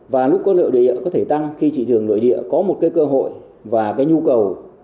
và lúc có lựa địa có thể tăng khi thị trường nội địa có một cơ hội và nhu cầu